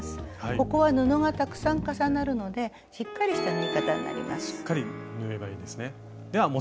ここは布がたくさん重なるのでしっかりした縫い方になります。